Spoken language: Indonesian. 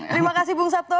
terima kasih bung sabto